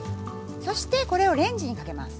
そしてこれをレンジにかけます。